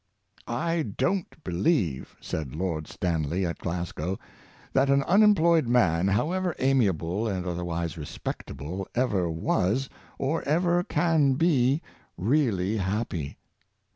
'^ I don't believe," said Lord Stanley at Glasgow, '' that an unemployed man, however amiable and other wise respectable, ever was, or ever can be, really happy.